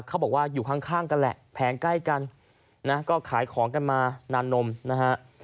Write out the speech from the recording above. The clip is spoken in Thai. เขาบอกว่าอยู่ข้างกันแหละแผงใกล้กันนะก็ขายของกันมานานนมนะฮะ